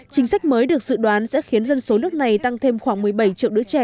chính sách mới được dự đoán sẽ khiến dân số nước này tăng thêm khoảng một mươi bảy triệu đứa trẻ